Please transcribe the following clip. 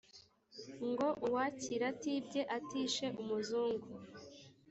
ngo uwakira atibye atishe umuzungu